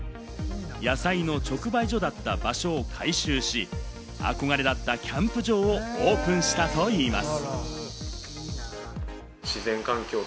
野菜の直売所だった場所を改修し、憧れだったキャンプ場をオープンしたといいます。